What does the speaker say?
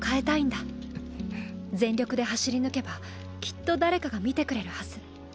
全力で走り抜けばきっと誰かが見てくれるはず。